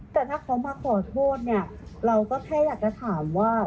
แต่ถ้าเขามาขอโทษเนี่ยเราก็แค่อยากจะถามว่า